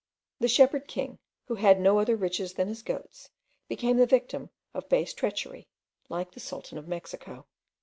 The shepherd king, who had no other riches than his goats, became the victim of base treachery, like the sultan of Mexico.